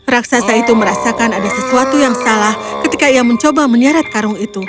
raksasa itu merasakan ada sesuatu yang salah ketika ia mencoba menyeret karung itu